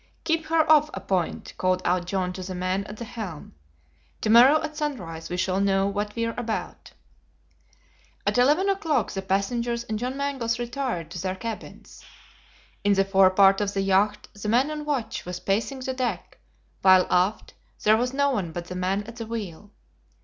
"Keep her off a point," called out John to the man at the helm. "To morrow at sunrise we shall know what we're about." At eleven o'clock, the passengers and John Mangles retired to their cabins. In the forepart of the yacht the man on watch was pacing the deck, while aft, there was no one but the man at the wheel.